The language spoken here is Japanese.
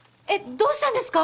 どうしたんですか？